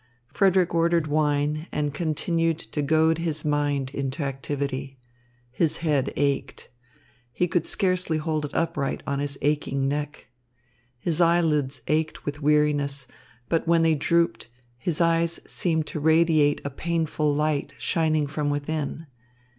Frederick ordered wine and continued to goad his mind into activity. His head ached. He could scarcely hold it upright on his aching neck. His eyelids ached with weariness; but when they drooped, his eyes seemed to radiate a painful light shining from within.